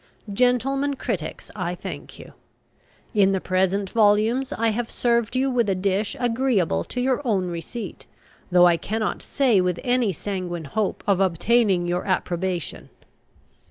Gentlemen critics, I thank you. In the present volumes I have served you with a dish agreeable to your own receipt, though I cannot say with any sanguine hope of obtaining your approbation.